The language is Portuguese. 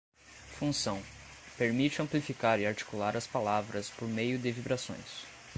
Função: permite amplificar e articular as palavras por meio de vibrações.